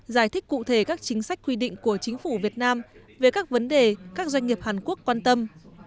giải thích cụ thể các chính sách quy định của chính phủ việt nam về các vấn đề các doanh nghiệp hàn quốc quan tâm